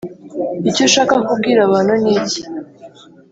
icyo Shaka kubwira abantu ni iki